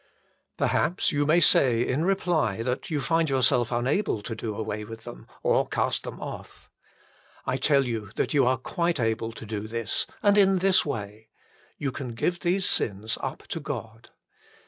Perhaps you may say in reply that you find yourself unable to do away with them or cast them off. I tell you that you are quite able to do this ; and in this way. You can give these sins up to God.